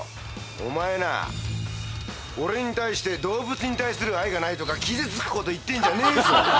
お前なあ俺に対して動物に対する愛がないとか傷つくこと言ってんじゃねえぞ。